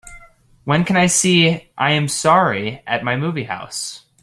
When can I see I Am Sorry at my movie house